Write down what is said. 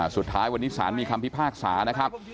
สุดท้ายวันนี้ศาลมีคำพิพากษานะครับ